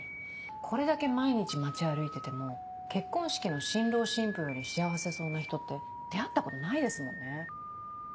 これだけ毎日街歩いてても結婚式の新郎新婦より幸せそうな人って出会ったことないですもんね。